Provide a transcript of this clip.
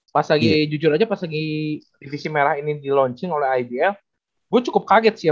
pas lagi jujur aja pas lagi divisi merah ini di launching oleh ibl gue cukup kaget sih ya